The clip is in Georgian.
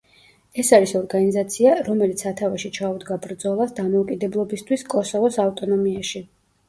ეს არის ორგანიზაცია, რომელიც სათავეში ჩაუდგა ბრძოლას დამოუკიდებლობისთვის კოსოვოს ავტონომიაში.